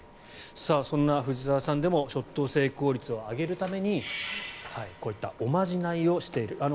そんな藤澤さんでもショット成功率を上げるためにこういったおまじないをしている。